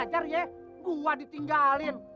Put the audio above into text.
ngajar ya gua ditinggalin